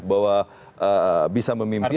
bahwa bisa memimpin